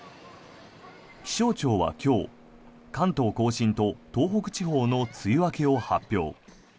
気象庁は今日関東・甲信と東北地方の梅雨明けを発表。